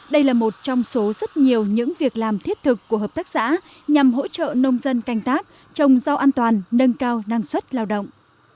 đây là một trong số rất nhiều những việc làm thiết thực của hợp tác xã nhằm hỗ trợ nông dân canh tác trồng rau an toàn nâng cao năng suất lao động